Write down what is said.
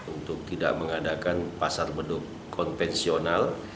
untuk tidak mengadakan pasar beduk konvensional